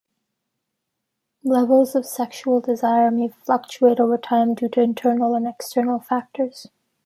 Levels of sexual desire may fluctuate over time due to internal and external factors.